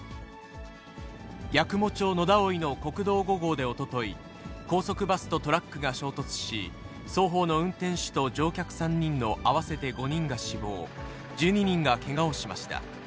八雲町野田生の国道５号でおととい、高速バスとトラックが衝突し、双方の運転手と乗客３人の合わせて５人が死亡、１２人がけがをしました。